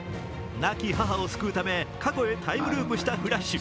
亡き母を救うため過去へタイムループしたフラッシュ。